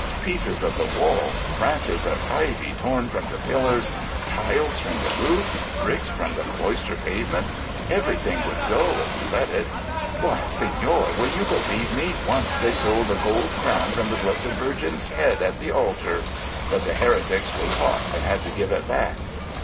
Pieces of the wall, branches of ivy torn from the pillars, tiles from the roof, brick from the cloister pavement — everything would go, if we let it. Why, senor, will you believe me, once they stole the gold crown from the Blessed Virgin's head at the altar; but the heretics were caught and had to give it back.